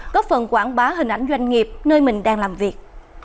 góp phần quảng bá hình ảnh doanh nghiệp nơi mình đang làm việc